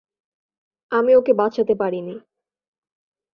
আমি ওকে বাঁচাতে পারিনি।